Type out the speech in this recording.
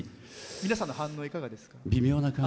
皆さんの反応いかがですか？